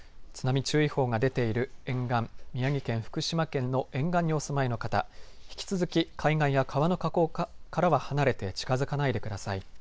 津波注意報が出ている沿岸、宮城県、福島県の沿岸にお住まいの方、引き続き海岸や川の河口からは離れて近づかないでください。